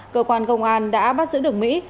cơ quan công an đã bắt giữ được mỹ